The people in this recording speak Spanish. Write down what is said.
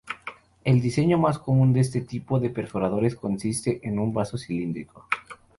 El diseño más común de este tipo de perforadores consiste en un vaso cilíndrico.